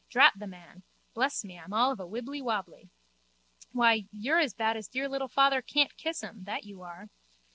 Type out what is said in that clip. Drat the man! Bless me, I'm all of a wibbly wobbly. Why, you're as bad as dear little Father Cantekissem, that you are!